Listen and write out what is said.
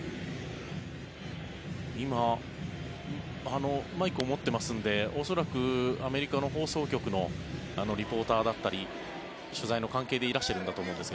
今、マイクを持っていますので恐らく、アメリカの放送局のリポーターだったり取材でいらしているんだと思うんですが。